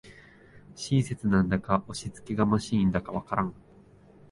親切なんだか押しつけがましいんだかわからん